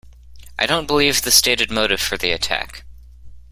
I don't believe the stated motive for the attack.